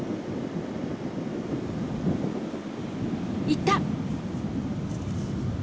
行った！